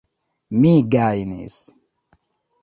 Mi gajnis!